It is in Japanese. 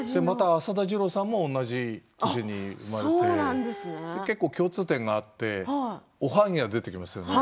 浅田次郎さんも同じ年に生まれて結構、共通点があっておはぎが出てきますよね